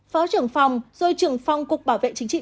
phó trưởng phòng rồi trưởng phòng cục bảo vệ chính trị